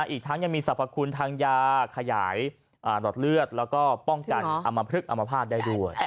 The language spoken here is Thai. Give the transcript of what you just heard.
อีกทั้งยังมีสรรพคุณทางยาขยายรอดเลือดแล้วก็ป้องกันอมภาพได้ด้วย